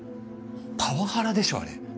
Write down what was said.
パワハラでしょあれ。